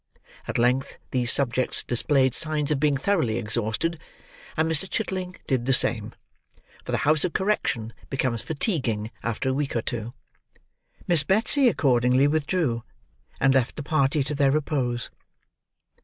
At length these subjects displayed signs of being thoroughly exhausted; and Mr. Chitling did the same: for the house of correction becomes fatiguing after a week or two. Miss Betsy accordingly withdrew; and left the party to their repose.